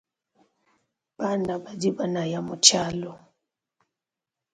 Bana badi banaya mu tshialu.